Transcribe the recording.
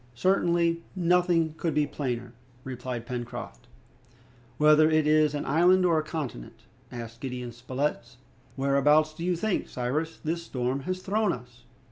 "Certainly, nothing could be plainer," replied Pencroft. "But, whether it is an island or a continent," asked Gideon Spilett, "whereabouts do you think, Cyrus, this storm has thrown us?"